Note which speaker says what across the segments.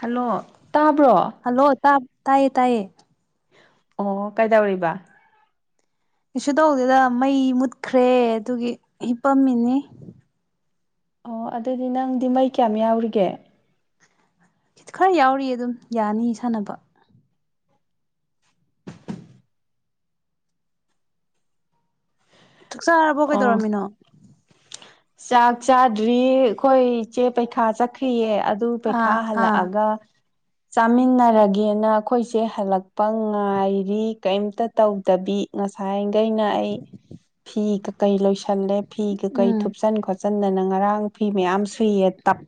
Speaker 1: Hello ꯇꯥꯕ꯭ꯔꯣ
Speaker 2: hello ꯇꯥꯏꯌꯦ ꯇꯥꯏꯌꯦ
Speaker 1: ꯑꯣ ꯀꯥꯏꯗꯧꯔꯤꯕ
Speaker 2: ꯀꯩꯁꯨ ꯇꯧꯗꯦꯗ ꯃꯩ ꯃꯨꯠꯈ꯭ꯔꯦ ꯑꯗꯨꯒꯤ ꯍꯤꯞꯄꯝꯃꯤꯅꯤ
Speaker 1: ꯑꯣ ꯑꯗꯨꯗꯤ ꯅꯪꯗꯤ ꯃꯩ ꯀꯌꯥꯝ ꯌꯥꯎꯔꯤꯒꯦ
Speaker 2: ꯈꯔ ꯌꯥꯎꯔꯤ ꯑꯗꯨꯝ ꯌꯥꯅꯤ ꯁꯥꯟꯅꯕ ꯆꯥꯛꯆꯥꯥꯔꯕꯣ
Speaker 1: ꯑꯣ
Speaker 2: ꯀꯩꯗꯧꯔꯝꯃꯤꯅꯣ
Speaker 1: ꯆꯥꯛ ꯆꯥꯗ꯭ꯔꯤ ꯑꯩꯈꯣꯏ ꯏꯆꯦ ꯄꯩꯈꯥ ꯆꯠꯈꯤꯌꯦ ꯑꯗꯨ
Speaker 2: ꯑꯥ
Speaker 1: ꯄꯩꯈꯥ
Speaker 2: ꯑꯥ
Speaker 1: ꯍꯜꯂꯛꯑꯒ ꯆꯥꯃꯤꯟꯅꯔꯒꯦꯅ ꯑꯩꯈꯣꯏꯁꯦ ꯍꯜꯂꯛꯄ ꯉꯥꯏꯔꯤ ꯀꯩꯝꯇ ꯇꯧꯗꯕꯤ ꯉꯁꯥꯏꯈꯩꯅ ꯑꯩ ꯐꯤ ꯀꯀꯩ ꯂꯣꯏꯁꯜꯂꯦ ꯐꯤ ꯀꯩꯀꯩ
Speaker 2: ꯎꯝ
Speaker 1: ꯈꯣꯠꯆꯤꯟꯗꯅ ꯉꯔꯥꯡ ꯐꯤ ꯃꯌꯥꯝ ꯁꯨꯏꯌꯦ ꯇꯞ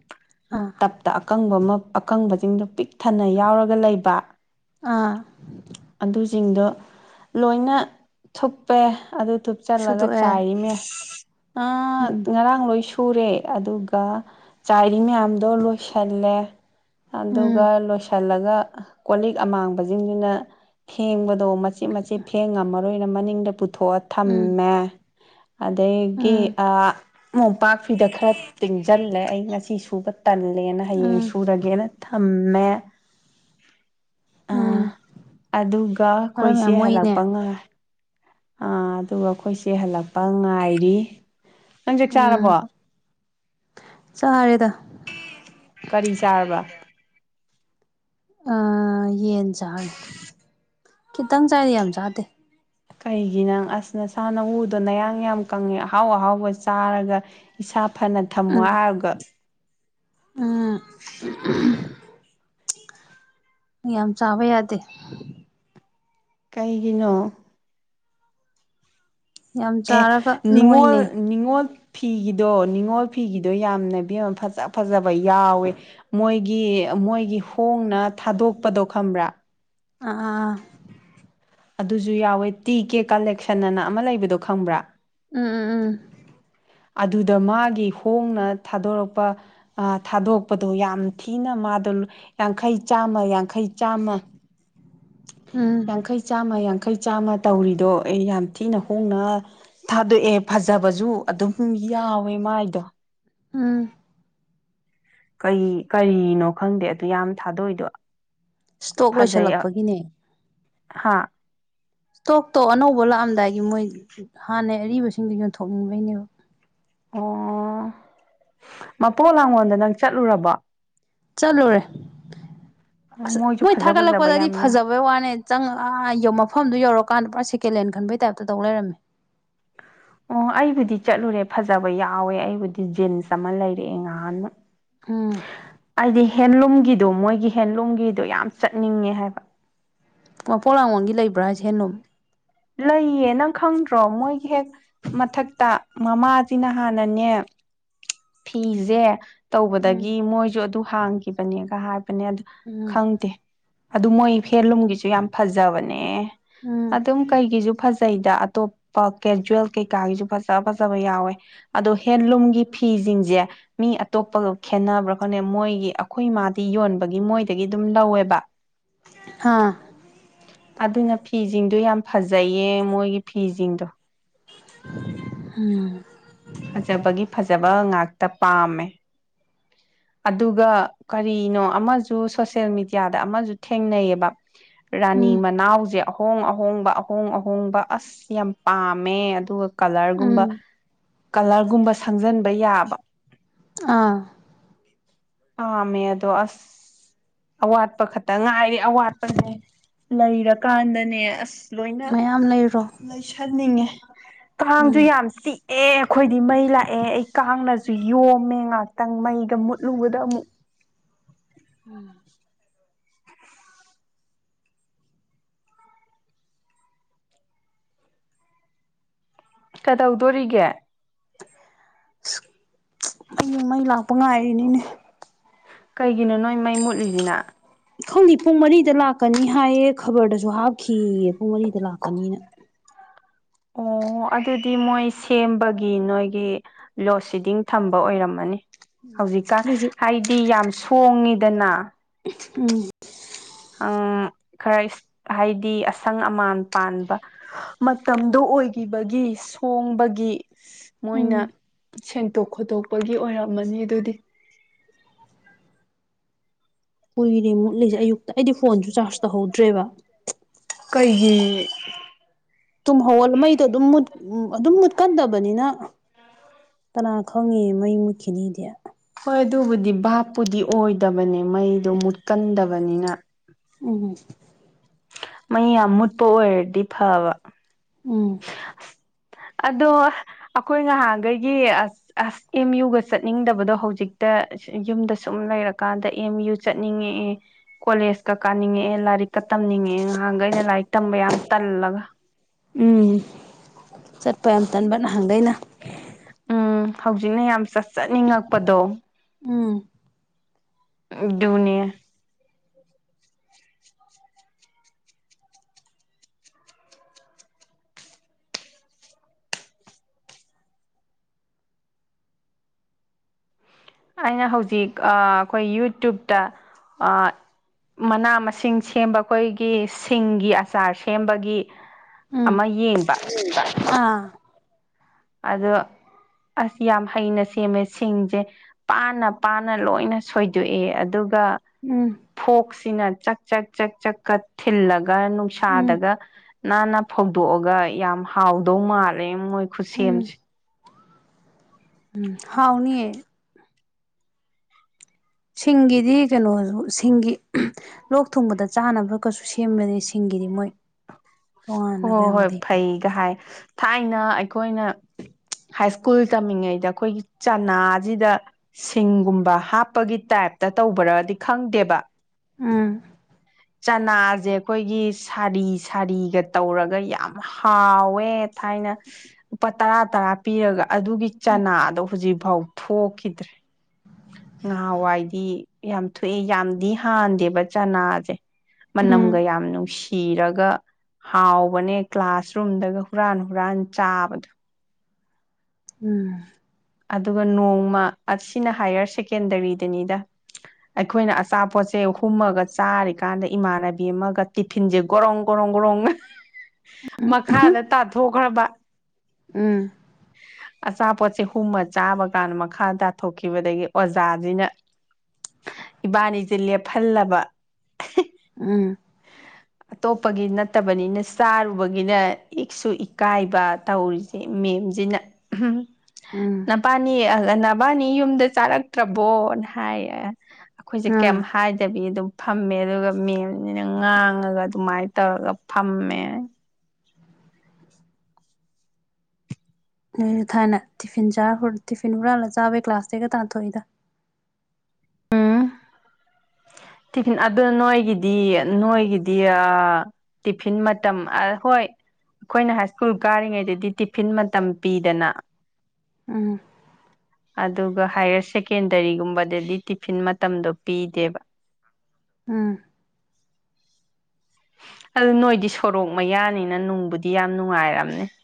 Speaker 2: ꯑꯥ
Speaker 1: ꯇꯞꯇ ꯑꯀꯪꯕ ꯑꯃ ꯑꯀꯪꯕꯁꯤꯡꯗꯣ ꯄꯤꯛ ꯊꯅ ꯌꯥꯎꯔꯒ ꯂꯩꯕ
Speaker 2: ꯑꯥ
Speaker 1: ꯑꯗꯨꯁꯤꯡꯗꯣ ꯂꯣꯏꯅ ꯊꯨꯞꯄꯦ ꯑꯗꯨ ꯇꯨꯞꯆꯜꯂꯒ
Speaker 2: ꯁꯨꯗꯣꯛꯑꯦ
Speaker 1: ꯆꯥꯏꯔꯤꯃꯦ
Speaker 2: ꯎꯝ
Speaker 1: ꯉꯔꯥꯡ ꯂꯣꯏꯁꯨ ꯁꯨꯔꯦ ꯑꯗꯨꯒ ꯆꯥꯏꯔꯤ ꯃꯌꯥꯝ ꯑꯣ ꯂꯣꯏꯁꯤꯜꯂꯦ
Speaker 2: ꯎꯝ
Speaker 1: ꯑꯗꯨꯒ ꯂꯣꯏꯁꯤꯜꯂꯒ ꯀꯣ ꯑꯃꯥꯡꯕꯅ ꯐ ꯑꯗꯣ ꯃꯆꯦꯠ ꯃꯆꯦꯠ ꯐꯦꯡ ꯉꯝꯃꯔꯣꯏꯅ ꯃꯅꯤꯡꯗ ꯄꯨꯊꯣꯛꯑ
Speaker 2: ꯎꯝ
Speaker 1: ꯊꯝꯃꯦ ꯑꯗꯒꯤ
Speaker 2: ꯎꯝ
Speaker 1: ꯅꯣꯝꯄꯥꯛ ꯐꯤꯗ ꯈꯔ ꯇꯤꯡꯁꯤꯜꯂꯦ ꯑꯩ ꯉꯁꯤ ꯁꯨꯕ ꯇꯜꯂꯦꯅ ꯍꯌꯦꯡ
Speaker 2: ꯎꯝ
Speaker 1: ꯁꯨꯔꯒꯦꯅ ꯊꯃꯦ
Speaker 2: ꯎꯝ
Speaker 1: ꯑꯥ ꯑꯗꯨꯒ
Speaker 2: ꯃꯔꯝ
Speaker 1: ꯑꯩꯈꯣꯏꯁꯦ
Speaker 2: ꯌꯥꯝ ꯃꯣꯛꯏꯅꯦ
Speaker 1: ꯍꯜꯂꯛꯄ ꯉꯥꯏ ꯑꯥ ꯑꯗꯨꯒ ꯑꯩꯈꯣꯏꯁꯦ ꯍꯜꯂꯛꯄ ꯉꯥꯏꯔꯤ ꯅꯪ ꯆꯛ ꯆꯥꯔꯕꯣ
Speaker 2: ꯆꯔꯦꯗ
Speaker 1: ꯀꯔꯤ ꯆꯥꯔꯕ
Speaker 2: ꯑꯥ ꯌꯦꯟ ꯆꯥꯅꯤ ꯈꯤꯇꯪ ꯆꯥꯗꯤ ꯌꯥꯝ ꯆꯥꯗꯦ
Speaker 1: ꯀꯩꯒꯤꯅꯪ ꯑꯁ ꯅꯁꯥꯟꯅꯎꯗꯣ ꯅꯌꯥꯡ ꯌꯥꯝ ꯀꯪꯉꯦ ꯑꯍꯥꯎ ꯑꯍꯥꯎꯕ ꯆꯥꯔꯒ ꯏꯁꯥ ꯐꯅ ꯊꯝꯃꯣ
Speaker 2: ꯎꯝ
Speaker 1: ꯍꯥꯏꯔꯒ
Speaker 2: ꯎꯝ ꯌꯥꯝ ꯆꯥꯕ ꯌꯥꯗꯦ
Speaker 1: ꯀꯩꯒꯤꯅꯣ
Speaker 2: ꯌꯥꯝ
Speaker 1: ꯑꯦ
Speaker 2: ꯆꯥꯔꯒ
Speaker 1: ꯅꯤꯡꯉꯣ
Speaker 2: ꯅꯣꯏꯅꯦ
Speaker 1: ꯅꯤꯡꯉꯜ ꯐꯤꯒꯤꯗꯣ ꯅꯤꯉꯣꯜ ꯐꯤꯒꯤꯗꯣ ꯌꯥꯝꯅ ꯑꯃ ꯐꯖ ꯐꯖꯕ ꯌꯥꯎꯋꯦ ꯃꯣꯏꯒꯤ ꯃꯣꯏꯒꯤ ꯍꯣꯡꯅ ꯊꯥꯗꯣꯛꯄꯗꯣ ꯈꯝꯕ꯭ꯔꯥ
Speaker 2: ꯑꯥ
Speaker 1: ꯑꯗꯨꯁꯨ ꯌꯥꯎꯋꯦ ꯇꯤ ꯀꯦ ꯀꯂꯦꯛꯁꯟ ꯑꯅ ꯑꯃ ꯂꯩꯕꯗꯣ ꯈꯪꯕ꯭ꯔꯥ
Speaker 2: ꯎꯝ ꯎꯝ ꯎꯝ
Speaker 1: ꯑꯗꯨꯗ ꯃꯥꯒꯤ ꯍꯣꯡꯅ ꯊꯥꯗꯣꯔꯛꯄ ꯊꯥꯗꯣꯔꯄꯗꯣ ꯌꯥꯝ ꯊꯤꯅ ꯃꯥ ꯑꯗꯨ ꯌꯥꯡꯈꯩ ꯆꯥꯝꯃ ꯌꯥꯡꯈꯩ ꯆꯥꯝꯃ
Speaker 2: ꯎꯝ
Speaker 1: ꯌꯥꯡꯈꯩ ꯆꯥꯝꯃ ꯌꯥꯡꯈꯩ ꯌꯥꯡꯈꯩ ꯆꯥꯝꯃ ꯇꯧꯔꯤꯗꯣ ꯑꯩ ꯌꯥꯝ ꯊꯤꯅ ꯍꯣꯡꯅ ꯊꯥꯗꯣꯛꯑꯦ ꯐꯖꯕꯁꯨ ꯑꯗꯨꯝ ꯌꯥꯎꯋꯦ ꯃꯥꯏꯗꯣ
Speaker 2: ꯑꯥ
Speaker 1: ꯀꯩ ꯀꯔꯤꯅꯣ ꯈꯪꯗꯦ ꯑꯗꯨ ꯌꯥꯝ ꯊꯥꯗꯣꯛꯏꯗꯣ
Speaker 2: ꯏꯁꯇꯣꯛ ꯂꯣꯏꯁꯤꯜꯂꯛꯄꯒꯤꯅꯦ
Speaker 1: ꯍꯥꯥ
Speaker 2: ꯏꯁꯇꯣꯛꯇꯣ ꯑꯅꯧꯕ ꯂꯥꯛꯑꯝꯗꯥꯏꯒꯤ ꯃꯣꯏ ꯍꯥꯟꯅ ꯑꯔꯤꯕꯁꯤꯡꯗꯨ ꯌꯣꯟꯊꯣꯛꯅꯤꯡꯕꯩꯅꯦꯕ
Speaker 1: ꯑꯣ ꯃꯄꯣ ꯂꯥꯡꯉꯣꯜꯗ ꯅꯪ ꯆꯠꯂꯨꯔꯕ
Speaker 2: ꯆꯂꯣꯔꯦ ꯑꯁ
Speaker 1: ꯃꯣꯏꯁꯨ
Speaker 2: ꯃꯣꯏ
Speaker 1: ꯐꯖ ꯐꯖꯕ
Speaker 2: ꯊꯥꯒꯠꯂꯛꯄꯗꯗꯤ
Speaker 1: ꯌꯥꯝ ꯌꯥꯎꯋꯦ
Speaker 2: ꯐꯖꯕꯩ ꯋꯥꯅꯦ ꯆꯪꯉꯛ ꯃꯐꯝꯗꯨꯣ ꯌꯧꯔꯀꯥꯟꯗ ꯁꯦꯀꯦꯟ ꯍꯦꯟ ꯈꯟꯕꯩ ꯇꯥꯏꯞꯇ ꯇꯧ ꯂꯩꯔꯝꯃꯤ
Speaker 1: ꯑꯣ ꯑꯩꯕꯨꯗꯤ ꯆꯠꯂꯨꯔꯦ ꯐꯖꯕ ꯌꯥꯎꯋꯦ ꯑꯩꯕꯨꯗꯤ ꯖꯤꯟꯁ ꯑꯃ ꯂꯩꯔꯛꯑꯦ ꯉꯥꯏꯍꯥꯟꯅ
Speaker 2: ꯑꯝ
Speaker 1: ꯍꯦꯟꯂꯨꯝꯒꯤꯗꯣ ꯃꯣꯏꯒꯤ ꯍꯦꯟꯂꯨꯝꯒꯤꯗꯣ ꯌꯥꯝ ꯆꯠꯅꯤꯡꯉꯦ ꯍꯥꯏꯕ
Speaker 2: ꯄꯣꯛꯂꯥꯡꯃꯣꯒꯤ ꯂꯩꯕ꯭ꯔꯥꯁꯦ ꯍꯟꯅꯣ
Speaker 1: ꯂꯩꯌꯦꯅ ꯈꯪꯗ꯭ꯔꯣ ꯃꯣꯏꯒꯤ ꯍꯦꯛ ꯃꯊꯛꯇ ꯃꯃꯥꯁꯤꯅ ꯍꯥꯟꯅꯅꯦ ꯐꯤꯁꯦ
Speaker 2: ꯎꯝ
Speaker 1: ꯇꯧꯕꯗꯒꯤ ꯃꯣꯏꯁꯨ ꯑꯗꯨ ꯍꯥꯡꯈꯤꯕꯅꯦꯒ ꯍꯥꯏꯕ ꯅꯦ ꯑꯗꯨ
Speaker 2: ꯎꯝ
Speaker 1: ꯈꯪꯗꯦ ꯑꯗꯨ ꯃꯣꯏ ꯐꯦꯟꯂꯨꯝꯒꯤꯁꯨ ꯌꯥꯝ ꯐꯖꯕꯅꯦ
Speaker 2: ꯎꯝ
Speaker 1: ꯑꯗꯨꯝ ꯀꯩꯒꯤꯁꯨ ꯐꯖꯩ ꯗ ꯑꯇꯣꯞꯄ ꯀꯦꯖꯋꯦꯜ ꯀꯩꯀꯥꯒꯤꯁꯨ ꯐꯖ ꯐꯖꯕ ꯌꯥꯎꯋꯦ ꯑꯗꯣ ꯍꯦꯟꯂꯨꯝꯒꯤ ꯐꯤꯁꯤꯡꯁꯦ ꯃꯤ ꯑꯇꯣꯞꯄꯒ ꯈꯦꯠꯅꯕ꯭ꯔꯥ ꯈ ꯃꯣꯏꯒꯤ ꯑꯩꯈꯣꯏ ꯃꯥꯗꯤ ꯌꯣꯟꯕꯒꯤ ꯃꯣꯏꯗꯒꯤ ꯑꯗꯨꯝ ꯂꯧꯋꯦꯕ
Speaker 2: ꯍꯥꯥ
Speaker 1: ꯑꯗꯨꯅ ꯐꯤꯁꯤꯡꯗꯨꯣ ꯌꯥꯝ ꯐꯖꯩꯌꯦ ꯃꯣꯏꯒꯤ ꯐꯤꯁꯤꯡꯗꯣ
Speaker 2: ꯎꯝ
Speaker 1: ꯐꯖꯕꯒꯤ ꯐꯖꯕ ꯉꯥꯛꯇ ꯄꯥꯝꯃꯦ ꯑꯗꯨꯒ ꯀꯔꯤꯅꯣ ꯑꯃꯁꯨ ꯁꯣꯁꯦꯜ ꯃꯦꯗꯤꯌꯥꯗ ꯑꯃꯁꯨ ꯊꯦꯡꯅꯩꯑꯌꯦꯕ ꯔꯥꯅꯤ
Speaker 2: ꯎꯝ
Speaker 1: ꯃꯅꯥꯎꯁꯦ ꯑꯍꯣꯡ ꯑꯍꯣꯡꯕ ꯑꯍꯣꯡ ꯑꯍꯣꯡꯕ ꯑꯁ ꯌꯥꯝ ꯄꯥꯝꯃꯦ ꯑꯗꯨꯒ ꯀꯂꯔꯒꯨꯝꯕ
Speaker 2: ꯎꯝ
Speaker 1: ꯀꯂꯔꯒꯨꯝꯕ ꯁꯪꯖꯟꯕ ꯌꯥꯕ꯫
Speaker 2: ꯑꯥ꯫
Speaker 1: ꯑꯃꯦꯗꯣ ꯑꯁ꯫ ꯑꯋꯥꯠꯄ ꯈꯛꯇ ꯉꯥꯏꯔꯤ ꯑꯋꯥꯠꯄꯁꯦ ꯂꯩꯔꯀꯥꯟꯗꯅꯦ ꯑꯁ ꯂꯣꯏꯅ
Speaker 2: ꯃꯌꯥꯝ ꯂꯩꯔꯣ
Speaker 1: ꯂꯩꯁꯟꯅꯤꯡꯉꯦ ꯀꯥꯡꯗꯨ
Speaker 2: ꯎꯝ
Speaker 1: ꯌꯥꯝ ꯆꯤꯛ ꯑꯦ ꯑꯩꯈꯣꯏꯗꯤ ꯃꯩ ꯂꯥꯛꯑꯦ ꯑꯩ ꯀꯥꯡꯅꯁꯨ ꯌꯣꯝꯃꯦ ꯉꯥꯏꯍꯥꯛꯇꯪ ꯃꯩꯒ ꯃꯨꯠꯂꯨꯕꯗ ꯇꯃꯨ
Speaker 2: ꯎꯝ
Speaker 1: ꯀꯗꯧꯗꯣꯔꯤꯒꯦ
Speaker 2: ꯍꯡ ꯃꯩ ꯂꯥꯛꯄ ꯉꯥꯏꯔꯤꯅꯤꯅꯦ
Speaker 1: ꯀꯩꯒꯤꯅꯣ ꯅꯣꯏ ꯃꯩ ꯃꯨꯠꯂꯤꯁꯤꯅ
Speaker 2: ꯈꯪꯉ ꯄꯨꯡ ꯃꯔꯤꯗ ꯂꯥꯛꯀꯅꯤ ꯍꯥꯏꯌꯦ ꯈꯕꯔꯗꯁꯨ ꯍꯥꯞꯈꯤꯌꯦ ꯄꯨꯡ ꯃꯔꯤꯗ ꯂꯥꯛꯀꯅꯤꯅ
Speaker 1: ꯑꯣ ꯑꯗꯨꯗꯤ ꯃꯣꯏ ꯁꯦꯝꯕꯒꯤ ꯅꯣꯏꯒꯤ ꯂꯣꯁꯤꯗꯤꯡ ꯊꯝꯕ ꯑꯣꯏꯔꯝꯃꯅꯤ ꯍꯧꯖꯤꯛꯀꯥꯟ
Speaker 2: ꯑꯗꯨꯏꯁꯨ
Speaker 1: ꯍꯥꯏꯗꯤ ꯌꯥꯝ ꯁꯣꯡꯉꯤꯗꯅ
Speaker 2: ꯎꯝ
Speaker 1: ꯎꯝ ꯈꯔ ꯍꯥꯏꯗꯤ ꯑꯁꯪ ꯑꯃꯥꯟ ꯄꯥꯟꯕ ꯃꯇꯝꯗꯣ ꯑꯣꯏꯣꯏꯕꯤꯕꯒꯤ ꯁꯣꯡꯕꯒꯤ
Speaker 2: ꯎꯝ
Speaker 1: ꯃꯣꯏꯅ ꯁꯦꯡꯇꯣꯛ ꯈꯣꯠꯇꯣꯛꯄꯒꯤ ꯑꯣꯏꯔꯝꯃꯅꯤ ꯑꯗꯨꯗꯤ
Speaker 2: ꯀꯨꯏꯔꯦ ꯃꯨꯠꯂꯤꯁꯦ ꯑꯌꯨꯛꯇ ꯑꯩꯗꯤ ꯐꯣꯟꯁꯨ ꯆꯥꯔꯖ ꯇꯧꯍꯧꯗ꯭ꯔꯦꯕ
Speaker 1: ꯀꯩꯒꯤ꯫
Speaker 2: ꯇꯨꯝ ꯍꯧꯒꯜꯂ ꯃꯩꯗꯣ ꯑꯗꯨꯝ ꯃꯨꯠ ꯎ ꯑꯗꯨꯝ ꯃꯨꯠꯀꯟꯗꯕꯅꯤꯅ ꯀꯅꯥ ꯈꯪꯉꯤ ꯃꯩ ꯃꯨꯠꯈꯤꯅꯤꯗꯤ꯫
Speaker 1: ꯍꯣꯏ ꯑꯗꯨꯕꯨꯗꯤ ꯚꯥꯞꯄꯨꯗꯤ ꯑꯣꯏꯗꯕꯅꯦ ꯃꯩꯗꯣ ꯃꯨꯠꯀꯟꯗꯕꯅꯤꯅ꯫
Speaker 2: ꯎꯝ꯫
Speaker 1: ꯃꯩ ꯌꯥꯝ ꯃꯨꯠꯄ ꯑꯣꯏꯔꯗꯤ ꯐꯕ꯫
Speaker 2: ꯎꯝ꯫
Speaker 1: [unintelligible] ꯑꯗꯣ ꯑꯈꯣꯏ ꯉꯍꯥꯟꯈꯩꯒꯤ ꯑ ꯑꯁ ꯑꯦꯝ ꯌꯨꯒ ꯆꯠꯅꯤꯡꯗꯕꯗꯣ ꯍꯧꯖꯤꯛꯇ ꯌꯨꯝꯗ ꯁꯨꯝ ꯂꯩꯔꯀꯥꯟꯗ ꯑꯦꯝ ꯌꯨ ꯆꯠꯅꯤꯡꯉꯛꯑꯦ ꯀꯣꯂꯦꯖꯀ ꯀꯥꯅꯤꯡꯉꯛꯑꯦ ꯂꯥꯏꯔꯤꯛꯀ ꯇꯝ ꯅꯤꯡꯉꯦ ꯉꯍꯥꯡꯒꯩꯅ ꯂꯥꯏꯔꯤꯛ ꯇꯝꯕ ꯌꯥꯝ ꯇꯜꯂꯒ꯫
Speaker 2: ꯎꯝ ꯆꯠꯄ ꯌꯥꯝ ꯇꯟꯕ ꯅꯍꯥꯟꯒꯩꯅ꯫
Speaker 1: ꯎꯝ ꯍꯧꯖꯤꯛꯅ ꯌꯥꯝ ꯆꯠꯆꯠꯅꯤꯡꯉꯛꯄꯗꯣ꯫
Speaker 2: ꯎꯝ꯫
Speaker 1: ꯗꯨꯅꯤ꯫ ꯑꯩꯅ ꯍꯧꯖꯤꯛ ꯑ ꯑꯈꯣꯏ ꯌꯨꯇ꯭ꯕꯇ ꯑ ꯃꯅꯥ ꯃꯁꯤꯡ ꯁꯦꯝꯕ ꯑꯩꯈꯣꯏꯒꯤ ꯁꯤꯡꯒꯤ ꯑꯆꯥꯔ ꯁꯦꯝꯕꯒꯤ
Speaker 2: ꯎꯝ
Speaker 1: ꯑꯃ ꯌꯦꯡꯕ꯫
Speaker 2: ꯑꯥ꯫
Speaker 1: ꯑꯗꫭ ꯑꯁ ꯌꯥꯝ ꯍꯩꯅ ꯁꯦꯝꯃꯦ ꯁꯤꯡꯁꯦ ꯄꯥꯅ-ꯄꯥꯅ ꯂꯣꯏꯅ ꯁꯣꯏꯗꯣꯛꯑꯦ ꯑꯗꯨꯒ
Speaker 2: ꯎꯝ꯫
Speaker 1: ꯀꯣꯛꯁꯤꯅ ꯆꯥꯛ ꯆꯛ ꯆꯛ ꯆꯛꯀ ꯊꯤꯜꯂꯒ
Speaker 2: ꯎꯝ
Speaker 1: ꯅꯨꯡꯁꯥꯗꯒ ꯅꯥꯟꯅ ꯐꯧꯗꯣꯛ ꯑꯗꯨꯒ ꯌꯥꯝ ꯍꯥꯎꯗꯧ ꯃꯥꯜꯂꯦ ꯃꯣꯏ ꯈꯨꯠꯁꯦꯝꯁꯦ꯫
Speaker 2: ꯎꯝ ꯍꯥꯎꯅꯤꯌꯦ꯫ ꯁꯤꯡꯒꯤꯗꯤ ꯀꯩꯅꯣꯁꯨ ꯁꯤꯡꯒꯤ ꯂꯣꯛ ꯊꯨꯡꯕꯗ ꯆꯥꯅꯕ ꯀꯩꯁꯨ ꯁꯦꯝꯕꯅꯤ ꯁꯤꯡꯒꯤ ꯒꯤꯗꯤ ꯃꯣꯏ ꯇꯣꯉꯥꯟꯅꯒ ꯌꯥꯝ
Speaker 1: ꯍꯣꯏ-ꯍꯣꯏ
Speaker 2: ꯂꯩꯕꯅꯤ
Speaker 1: ꯐꯩꯒ ꯍꯥꯏ ꯊꯥꯏꯅ ꯑꯩꯈꯣꯏꯅ ꯍꯥꯏꯁ꯭ꯀꯨꯜ ꯇꯝꯃꯤꯉꯩꯗ ꯑꯩꯈꯣꯏꯒꯤ ꯆꯅꯥꯁꯤꯗ ꯁꯤꯡꯒꯨꯝꯕ ꯍꯥꯞꯄꯒꯤ ꯇꯥꯏꯞ ꯗ ꯇꯧꯕꯔꯗꯤ ꯈꯪꯗꯦꯕ
Speaker 2: ꯎꯝ꯫
Speaker 1: ꯆꯅꯥꯁꯦ ꯑꯩꯈꯣꯏꯒꯤ ꯁꯥꯔꯤ ꯁꯥꯔꯤꯒ ꯇꯧꯔꯒ ꯌꯥꯝ ꯍꯥꯎꯋꯦ ꯊꯥꯏꯅ ꯂꯨꯄꯥ ꯇꯔꯥ ꯇꯔꯥ ꯄꯤꯔꯒ ꯑꯗꯨꯒꯤ
Speaker 2: ꯎꯝ
Speaker 1: ꯆꯅꯥꯗꯣ ꯍꯧꯖꯤꯛꯐꯥꯎ ꯊꯣꯛꯈꯤꯗ꯭ꯔꯦ ꯉꯍꯥꯟꯋꯥꯏꯗꯤ ꯌꯥꯝ ꯊꯨꯑꯦ ꯌꯥꯝꯗꯤ ꯍꯥꯟꯗꯦ ꯆꯅꯥꯁꯦ ꯃꯅꯝꯒ
Speaker 2: ꯎꯝ
Speaker 1: ꯌꯥꯝ ꯅꯨꯡꯁꯤ꯫ ꯀꯤꯔꯒ ꯍꯥꯎꯕꯅꯦ ꯀ꯭ꯂꯥꯁꯔꯨꯝꯗꯒ ꯍꯨꯔꯥꯟ-ꯍꯨꯔꯥꯟ ꯆꯥꯕꯗꫬ꯫
Speaker 2: ꯎꯝ꯫
Speaker 1: ꯑꯗꯨꯒ ꯅꯣꯡꯃ ꯑꯁꯤꯅ ꯍꯥꯏꯌꯔ ꯁꯦꯀꯦꯟꯗꯔꯤꯗꯅꯤꯗ꯫ ꯑꯩꯈꯣꯏꯅ ꯑꯆꯥꯄꯣꯠꯁꯦ ꯍꯨꯝꯃꯒ ꯆꯥꯔꯤꯀꯥꯟꯗ ꯏꯃꯥꯟꯅꯕꯤ ꯑꯃꯒ ꯇꯤꯐꯤꯟꯁꯦ ꯒꯣꯔꯣꯡ-ꯒꯣꯔꯣꯡ ꯈꯣꯡꯒ꯭ꯔꯣꯡꯅ ꯃꯈꯥꯗ ꯇꯥꯊꯣꯛꯈ꯭ꯔꯕ꯫
Speaker 2: ꯎꯝ꯫
Speaker 1: ꯑꯆꯥꯄꯣꯠꯁꯦ ꯍꯨꯝꯃ ꯆꯥꯕ ꯀꯥꯟꯗ ꯃꯈꯥ ꯇꯥꯊꯣꯛꯈꯤꯕꯗꯒꯤ ꯑꯣꯖꯥꯁꯤꯅ ꯏꯕꯥꯅꯤꯁꯦ ꯂꯦꯞꯍꯜꯂꯕ꯫
Speaker 2: ꯎꯝ ꯎꯝ
Speaker 1: [inaudible] ꯑꯇꯣꯞꯄꯒꯤ ꯅꯠꯇꯕꯅꯤꯅ ꯆꯥꯔꯨꯕꯒꯤꯅ ꯏꯛꯁꯨ ꯏꯀꯥꯏꯕ ꯇꯧꯔꯤꯁꯦ ꯃꯦꯝ ꯖꯤꯅ
Speaker 2: ꯎꯝ
Speaker 1: ꯅꯄꯥꯅꯤ ꯅꯕꯥꯅꯤ ꯌꯨꯝꯗ ꯆꯥꯔꯛꯇ꯭ꯔꯕꯣꯅ ꯍꯥꯏꯌꯦ꯫ ꯑꯩꯈꯣꯏꯁꯦ ꯀꯩꯝ
Speaker 2: ꯑꯥ
Speaker 1: ꯍꯥꯏꯗꯕꯤ ꯑꯗꯨꯝ ꯐꯝꯃꯦ ꯑꯗꯨꯒ ꯃꯦꯝ ꯅꯤꯅ ꯉꯥꯡꯑꯒ ꯑꯗꯨꯃꯥꯏꯅ ꯇꯧꯔꯒ ꯐꯝꯃꯦ꯫
Speaker 2: ꯅ ꯊꯥꯏꯅ ꯇꯤꯐꯤꯟꯥ ꯇꯤꯐꯤꯟ ꯍꯨꯔꯥꯜꯂꯒ ꯆꯥꯕꯩ ꯀ꯭ꯂꯥꯁꯇꯩꯒ ꯇꯥꯟꯊꯣꯛꯏꯗ
Speaker 1: ꯎꯝ ꯇꯤꯐꯤꯟ ꯑꯗꯨ ꯅꯣꯏꯒꯤꯗꯤ ꯅꯣꯏꯒꯤꯗꯤ ꯑ ꯇꯤꯐꯤꯟ ꯃꯇꯝ ꯍꯣꯏ ꯑꯩꯈꯣꯏꯅ ꯍꯥꯏ ꯁ꯭ꯀꯨꯜ ꯀꯥꯔꯤꯉꯩꯗꯗꯤ ꯇꯤꯐꯤꯟ ꯃꯇꯝ ꯄꯤꯗꯅ
Speaker 2: ꯎꯝ
Speaker 1: ꯑꯗꯨꯒ ꯍꯥꯏꯌꯔ ꯁꯦꯀꯦꯟꯗꯔꯤꯒꯨꯝꯕꯗꯗꯤ ꯇꯤꯐꯤꯟ ꯃꯇꯝꯗꯣ ꯄꯤꯗꯦꯕ
Speaker 2: ꯎꯝ
Speaker 1: [inaudible] ꯑꯗꯨ ꯅꯣꯏꯗꯤ ꯁꯣꯔꯣꯛ ꯃꯌꯥꯅꯤꯅ ꯅꯨꯡꯕꯨꯗꯤ ꯌꯥꯝ ꯅꯨꯡꯉꯥꯏꯔꯝꯅꯦ [inaudible]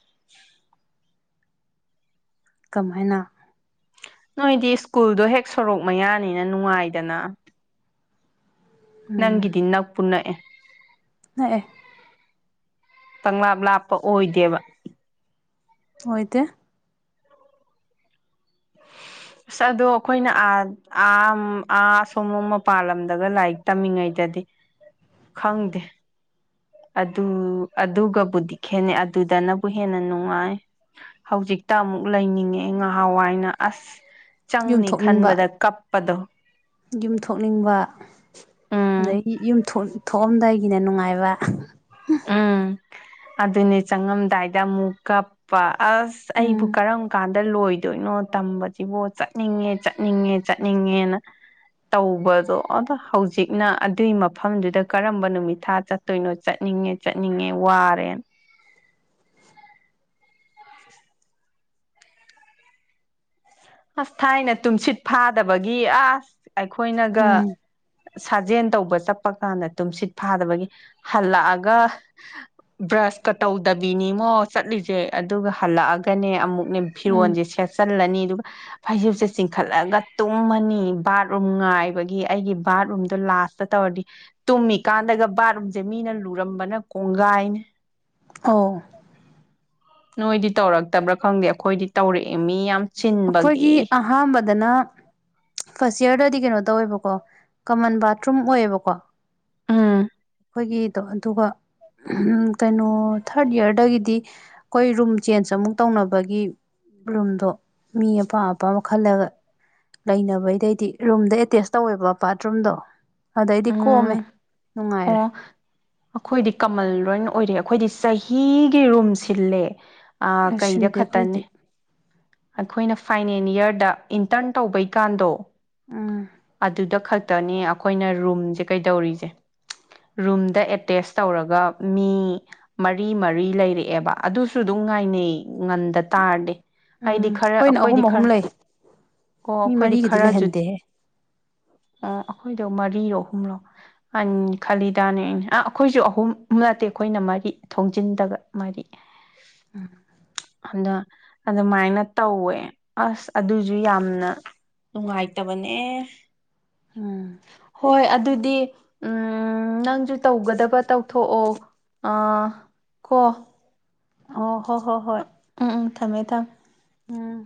Speaker 2: ꯀꯃꯥꯏꯅ
Speaker 1: ꯅꯣꯏꯗꯤ ꯁ꯭ꯀꯨꯜꯗꯣ ꯍꯦꯛ ꯁꯣꯔꯣꯛ ꯃꯌꯥꯅꯤꯅ ꯅꯨꯡꯉꯥꯏꯗꯅ ꯅꯪꯒꯤꯗꯤ ꯅꯛꯄ ꯅꯛꯑꯦ
Speaker 2: ꯍ ꯑꯦ
Speaker 1: ꯀꯪꯂꯪꯂꯥꯞ ꯂꯥꯞꯄ ꯑꯣꯏꯗꯦꯕ
Speaker 2: ꯍꯣꯏꯗꯤ
Speaker 1: [inaudible] ꯑꯁ ꯑꯗꯣ ꯑꯩꯈꯣꯏꯅꯥ ꯑꯥ ꯑꯥ ꯑꯁꯣꯝꯝ ꯃꯄꯥꯥꯟꯂꯝꯗꯒ ꯂꯥꯏꯔꯤꯛ ꯇꯝꯃꯤꯉꯩꯗꯗꯤ ꯈꯪꯗꯦ ꯑꯗꯨ ꯑꯗꯨꯒꯕꯨꯗꯤ ꯈꯦꯠꯅꯩ ꯑꯗꯨꯗꯅꯕꯨ ꯍꯦꯟꯅ ꯅꯨꯡꯉꯥꯏ ꯍꯧꯖꯤꯛꯇ ꯑꯃꯨꯛ ꯂꯩꯅꯤꯡꯉꯦ ꯉꯍꯥꯟꯋꯥꯏꯅ ꯑꯁ
Speaker 2: ꯌꯨꯝ
Speaker 1: ꯆꯪꯅꯤ
Speaker 2: ꯊꯣꯛꯅꯤꯡꯕ
Speaker 1: ꯈꯟꯕꯗ ꯀꯞꯄꯗꯣ
Speaker 2: ꯌꯨꯝ ꯊꯣꯛꯅꯤꯡꯕ
Speaker 1: ꯎꯝ
Speaker 2: ꯑꯗꯒꯤ ꯌꯨꯝꯊ ꯊꯣꯛꯑꯝꯗꯥꯏꯗꯒꯤꯅ ꯅꯨꯡꯉꯥꯏꯕ
Speaker 1: ꯎꯝ ꯑꯗꯨꯅꯦ ꯆꯪꯉꯝꯗꯥꯏꯗ ꯑꯃꯨꯛ ꯀꯞꯄ ꯑꯁ
Speaker 2: ꯎꯝ
Speaker 1: ꯑꯩꯕꯨ ꯀꯔꯝ ꯀꯥꯟꯅꯗ ꯗ ꯂꯣꯏꯗꯣꯏꯅꯣ ꯇꯝꯕꯁꯤꯕꯣ ꯆꯠꯅꯤꯡꯉꯦ ꯆꯠꯅꯤꯡꯉꯦ ꯆꯠꯅꯤꯡꯉꯦꯅ ꯇꯧꯕꯗꯣ ꯑꯗꯣ ꯍꯧꯖꯤꯛꯅ ꯑꯗꯨꯏ ꯃꯐꯝꯗꯨꯗ ꯀꯔꯝꯕ ꯅꯨꯃꯤꯠ ꯊꯥ ꯆꯠꯇꯣꯏꯅꯣ ꯆꯠ ꯆꯠꯅꯤꯡꯉꯦ ꯆꯠꯅꯤꯡꯉꯦ ꯋꯥꯔꯦ ꯑꯁ ꯊꯥꯏꯅ ꯇꯨꯝꯁꯤꯠ ꯐꯥꯗꯕꯒꯤ ꯑꯁ ꯑꯩꯈꯣꯏꯅꯒ
Speaker 2: ꯎꯝ
Speaker 1: ꯁꯥꯖꯦꯜ ꯇꯧꯕ ꯆꯠꯄ ꯀꯥꯟꯗ ꯇꯨꯝꯁꯤꯠ ꯐꯥꯗꯕꯒꯤ ꯍꯜꯂꯛꯑꯒ ꯕ꯭ꯔꯁꯀ ꯇꯧꯗꯕꯤꯅꯤꯃꯣ ꯆꯠꯂꯤꯁꯦ ꯑꯗꯨꯒ ꯍꯜꯂꯛꯑꯒꯅꯦ ꯑꯃꯨꯛ
Speaker 2: ꯎꯝ
Speaker 1: ꯐꯤꯔꯣꯟꯁꯦ ꯁꯦꯠꯆꯜꯂꯅꯤ ꯑꯗꯨꯒ ꯐꯩꯖꯨꯞꯁꯦ ꯆꯤꯡꯈꯠꯂꯒ ꯇꯨꯝꯃꯅꯤ ꯕꯥꯠꯔꯨꯝ ꯉꯥꯏꯕꯒꯤ ꯑꯩꯒꯤ ꯕꯥꯠꯔꯨꯝꯗꯣ ꯂꯥꯛ ꯥꯁꯇ ꯇꯧꯔꯗꯤ ꯇꯨꯝꯃꯤꯀꯥꯟꯗꯒ ꯕꯥꯠꯔꯨꯝꯁꯦ ꯃꯤꯅ ꯂꯨꯔꯝꯕꯅ ꯀꯣꯡꯒꯥꯏꯅꯦ
Speaker 2: ꯑꯣ
Speaker 1: ꯅꯣꯏꯗꯤ ꯇꯧꯔꯛꯇꯕ꯭ꯔꯥ ꯈꯪꯗꯦ ꯑꯩꯈꯣꯏꯗꯤ ꯇꯧꯔꯛꯑꯦ ꯃꯤ ꯌꯥꯝ
Speaker 2: ꯑꯩꯈꯣꯏꯒꯤ
Speaker 1: ꯆꯤꯟꯕꯒꯤ
Speaker 2: ꯑꯍꯥꯟꯕꯗꯅ ꯐꯥꯔꯁ ꯌꯌꯥꯔꯗꯗꯤ ꯀꯩꯅꯣꯗ ꯇꯧꯋꯕꯀꯣ ꯀꯃꯟ ꯕꯥꯊꯔꯨꯝ ꯑꯣꯏꯌꯦꯕꯀꯣ
Speaker 1: ꯑꯥ
Speaker 2: ꯑꯩꯈꯣꯏꯒꯤꯗꯣ ꯑꯗꯨꯒ ꯀꯩꯅꯣ ꯊꯥꯔꯠ ꯏꯌꯥꯔꯗꯒꯤꯗꯤ ꯑꯩꯈꯣꯏ ꯔꯨꯝ ꯆꯦꯟꯖ ꯑꯃꯨꯛ ꯇꯧꯅꯕꯒꯤ ꯔꯨꯝꯗꯣ ꯃꯤ ꯑꯄꯥꯝ ꯑꯄꯥ ꯑꯃ ꯈꯜꯂꯒ ꯂꯩꯅꯕꯩꯗꯩꯗꯤ ꯔꯨꯝꯗ ꯑꯦꯇꯦꯁ ꯇꯧꯋꯦꯕ ꯕꯥꯠꯔꯨꯝꯗꯣ ꯑꯗꯩꯗꯤ
Speaker 1: ꯎꯝ
Speaker 2: ꯀꯣꯝꯃꯦ
Speaker 1: ꯑꯣ
Speaker 2: ꯅꯨꯡꯉꯥꯏꯔꯦ
Speaker 1: ꯑꯩꯈꯣꯏꯗꯤ ꯀꯃꯜ ꯂꯣꯏ ꯑꯣꯏꯔ ꯑꯩꯈꯣꯏꯗꯤ ꯆꯍꯤꯒꯤ ꯔꯨꯝ ꯁꯤꯜꯂꯦ
Speaker 2: ꯑꯁ
Speaker 1: ꯀꯩꯗ
Speaker 2: ꯁꯤꯟꯗꯦ
Speaker 1: ꯈꯛꯇꯅꯤ
Speaker 2: ꯑꯩꯈꯣꯏꯗꯤ
Speaker 1: ꯑꯩꯈꯣꯏꯅ ꯐꯥꯏꯅꯦꯜ ꯌꯥꯔꯗ ꯏꯟꯇꯔꯟ ꯇꯧꯕꯩꯀꯥꯟꯗꯣ
Speaker 2: ꯎꯝ
Speaker 1: ꯑꯗꯨꯗ ꯈꯛ ꯈꯛꯇꯅꯤ ꯑꯩꯈꯣꯏꯅ ꯔꯨꯝꯁꯦ ꯀꯩꯗꯧꯔꯤꯁꯦ ꯔꯨꯝꯗ ꯑꯦꯇꯦꯁ ꯇꯧꯔꯒ ꯃꯤ ꯃꯔꯤ ꯃꯔꯤ ꯂꯩꯔꯛꯑꯦꯕ ꯑꯗꯨꯁꯨ ꯑꯗꯨꯝ ꯅꯨꯡꯉꯥꯏꯅꯦ ꯉꯟꯗ ꯇꯥꯔꯗꯤ
Speaker 2: ꯎꯝ
Speaker 1: ꯍꯥꯏꯗꯤ ꯈꯔ
Speaker 2: ꯑꯩꯈꯣꯏꯅ ꯑꯍꯨꯝ
Speaker 1: ꯑꯩꯈꯣꯏꯗꯤ
Speaker 2: ꯑꯍꯨꯝ
Speaker 1: ꯈꯔ
Speaker 2: ꯂꯩ
Speaker 1: ꯑꯣ
Speaker 2: ꯃꯤ
Speaker 1: ꯑꯩꯈꯣꯏꯗꯤ
Speaker 2: ꯃꯔꯤꯒꯗꯤ
Speaker 1: ꯈꯔ ꯖꯨꯠ
Speaker 2: ꯂꯩꯍꯟꯗꯦꯍꯦ
Speaker 1: ꯑ ꯑꯩꯈꯣꯏꯗꯣ ꯃꯔꯤꯔꯣ ꯑꯍꯨꯝꯂꯣ ꯈꯂꯤꯗꯥꯅꯦ ꯑ ꯑꯩꯈꯣꯏꯁꯨ ꯑꯍꯨꯝ ꯅꯠꯇꯦ ꯑꯩꯈꯣꯏꯅ ꯃꯔꯤ ꯊꯣꯡꯖꯤꯟꯗ ꯃꯥꯗꯤ
Speaker 2: ꯎꯝ
Speaker 1: ꯑ ꯑ ꯑꯗꯨꯃꯥꯏꯅ ꯇꯧꯋꯦ ꯑꯁ ꯑꯗꯨꯁꯨ ꯌꯥꯝꯅ ꯅꯨꯡꯉꯥꯏꯇꯕꯅꯦ
Speaker 2: ꯎꯝ
Speaker 1: ꯍꯣꯏ ꯑꯗꯨꯗꯤ ꯅꯪꯁꯨ ꯇꯧꯒꯗꯕ ꯇꯧꯊꯣꯛꯑꯣ ꯑꯥ ꯀꯣ
Speaker 2: ꯑꯣ ꯍꯣ ꯍꯣ ꯍꯣꯏ
Speaker 1: ꯊꯃꯦ ꯇ
Speaker 2: ꯎꯝ